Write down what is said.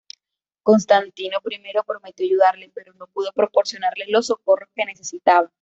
Constantino I prometió ayudarle pero no pudo proporcionarle los socorros que necesitaba.